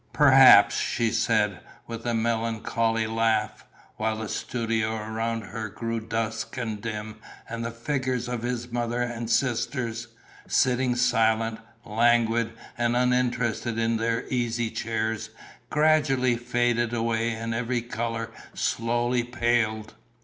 "Perhaps," she said, with a melancholy laugh, while the studio around her grew dusk and dim and the figures of his mother and sisters, sitting silent, languid and uninterested in their easy chairs, gradually faded away and every colour slowly paled.